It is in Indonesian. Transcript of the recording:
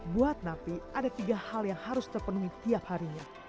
buat napi ada tiga hal yang harus terpenuhi tiap harinya